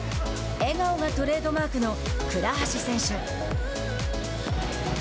笑顔がトレードマークの倉橋選手。